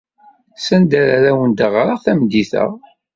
Sanda ara awen-d-ɣreɣ tameddit-a?